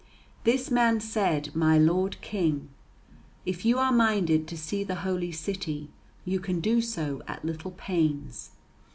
This man said, "My lord King, if you are minded to see the Holy City, you can do so at little pains.